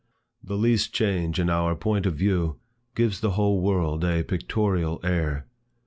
The least change in our point of view, gives the whole world a pictorial air.